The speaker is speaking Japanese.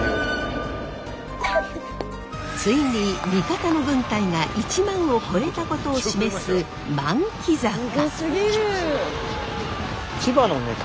ついに味方の軍隊が１万を超えたことを示す万騎坂。